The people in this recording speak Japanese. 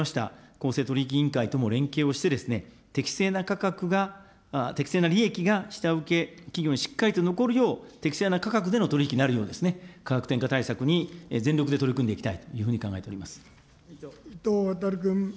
公正取引委員会とも連携をして、適正な価格が、適性な利益が下請け企業にしっかりと残るよう、適正な価格での取り引きになるようですね、価格転嫁対策に全力で取り組んでいきたいというふうに考えており伊藤渉君。